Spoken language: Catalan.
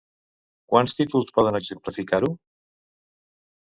Quins títols poden exemplificar-ho?